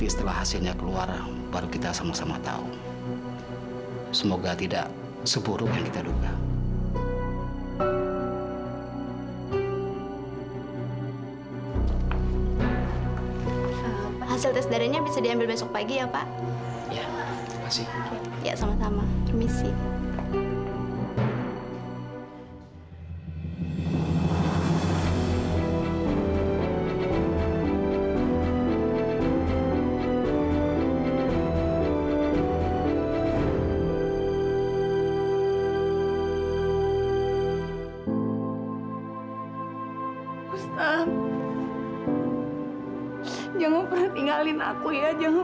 sampai jumpa di video selanjutnya